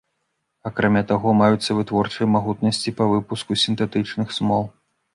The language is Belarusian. Акрамя таго, маюцца вытворчыя магутнасці па выпуску сінтэтычных смол.